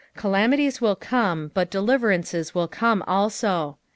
C&lamities will come, bat deliver&Dcea vill come aliio.